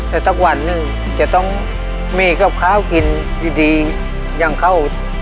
แต่สักวันหนึ่งจะต้องมีกับข้าวกินดีอย่างเข้า